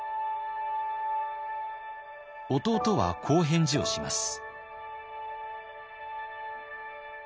弟はこう返事をします。